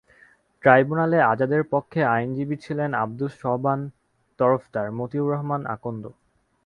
ট্রাইব্যুনালে আযাদের পক্ষে আইনজীবী ছিলেন আবদুস সোবহান তরফদার, মতিউর রহমান আকন্দ।